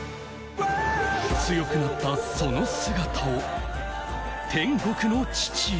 強くなったその姿を、天国の父へ。